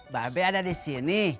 babe ada di sini